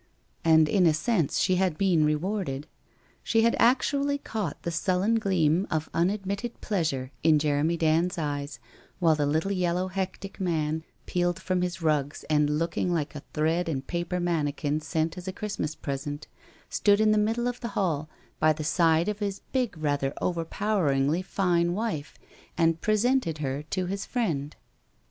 And in a sense she had been rewarded. She had ac tually caught the sullen gleam of unadmitted pleasure in Jeremy Dand's eyes while the little yellow hectic man, peeled from his rugs and looking like a thread and paper manikin sent as a Christmas present, stood in the middle of the hall by the side of his big rather overpoweringly fine WHITE ROSE OF WEARY LEAF 337 wife, and presented her to his friend.